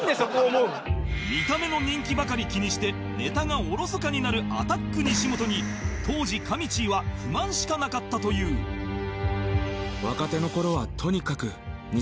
見た目の人気ばかり気にしてネタがおろそかになるアタック西本に当時かみちぃは不満しかなかったというええーっ。